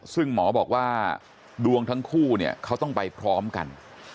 ซึ่งหมอบอกว่าดวงทั้งคู่เนี่ยเขาต้องไปพร้อมกัน